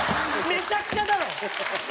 めちゃくちゃだろ！